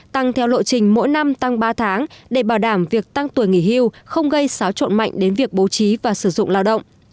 tăng theo lộ trình mỗi năm tăng ba tháng để bảo đảm việc tăng tuổi nghỉ hưu không gây xáo trộn mạnh đến việc bố trí và sử dụng lao động